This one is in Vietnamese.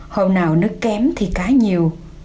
hôm nào nước kém thì cá nhiều